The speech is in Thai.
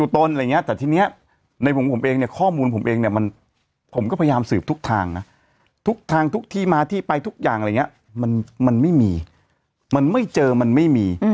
แต่ทีนี้ข้อมูลผมเองผมก็พยายามสืบทุกทางนะทุกทางทุกที่มาที่ไปทุกอย่างอะไรอย่างนี้มันไม่มีมันไม่เจอมันไม่มี